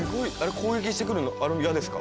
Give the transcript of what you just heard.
攻撃してくるのあれも矢ですか？